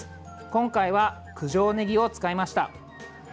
今回は九条ねぎを使いました。